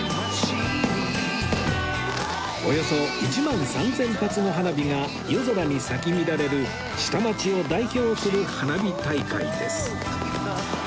およそ１万３０００発の花火が夜空に咲き乱れる下町を代表する花火大会です